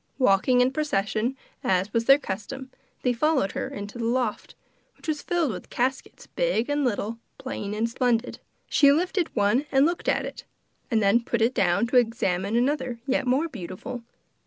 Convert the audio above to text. Walking in procession, as was their custom, they followed her into the loft, which was filled with caskets big and little, plain and splendid. She lifted up one and looked at it, and then put it down to examine another yet more beautiful.